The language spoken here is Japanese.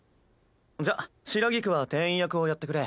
じゃあ白菊は店員役をやってくれ。